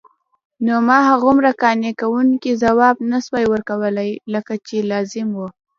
نو ما هغومره قانع کوونکی ځواب نسوای ورکولای لکه چې لازم وو.